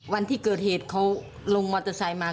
วันที่เกิดเหตุเขาลงมอเตอร์ไซค์มา